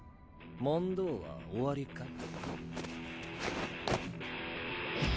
問答は終わりかい？